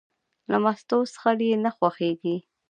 له مستو څښل یې نه خوښېږي.